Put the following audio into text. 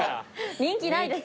人気ないです。